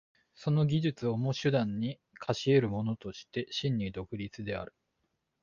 その技術をも手段に化し得るものとして真に独立である。